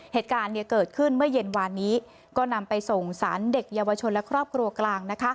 เหตุการณ์เกิดขึ้นเมื่อเย็นวานนี้ก็นำไปส่งสารเด็กเยาวชนและครอบครัวกลาง